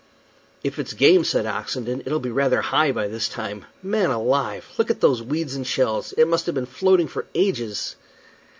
"If it's game," said Oxenden, "it'll be rather high by this time. Man alive! look at those weeds and shells. It must have been floating for ages."